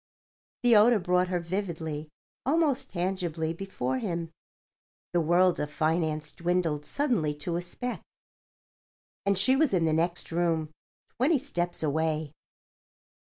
The odour brought her vividly, almost tangibly before him. The world of finance dwindled suddenly to a speck. And she was in the next room—twenty steps away.